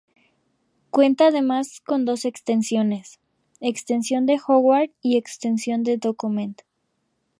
Cuenta además con dos extensiones: Extensión de Howard y Extensión de Tocumen.